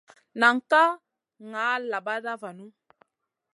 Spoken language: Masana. Nan ka ŋa labaɗa vanu.